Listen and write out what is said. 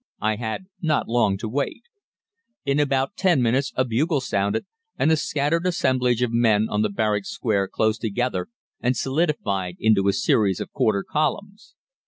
I had not long to wait. In about ten minutes a bugle sounded, and the scattered assemblage of men on the barrack square closed together and solidified into a series of quarter columns.